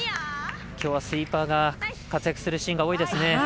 きょうはスイーパーが活躍するシーンが多いですね。